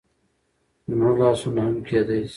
چې زموږ لاسونه هم کيدى شي